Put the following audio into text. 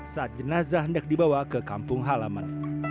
saat jenazah hendak dibawa ke kampung halaman